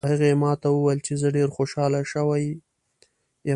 هغې ما ته وویل چې زه ډېره خوشحاله یم